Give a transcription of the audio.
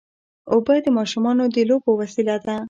اوبه د ماشومانو د لوبو وسیله ده.